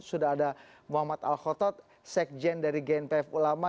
sudah ada muhammad al khotot sekjen dari gnpf ulama